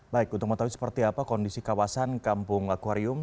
baik untuk mengetahui seperti apa kondisi kawasan kampung akwarium